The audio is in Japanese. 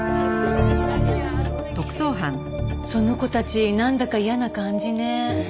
その子たちなんだか嫌な感じね。